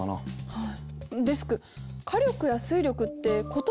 はい。